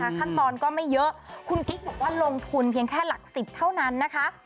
ขั้นตอนก็ไม่เยอะคุณคิดว่าลงทุนเพียงแค่หลักสิบเท่านั้นนะคะ